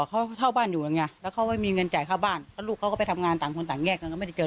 เดี๋ยวดูแลเขาเรื่องอยู่หางานทำตอนนี้หางานให้ได้แล้ว